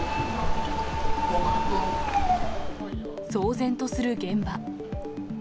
騒然とする現場。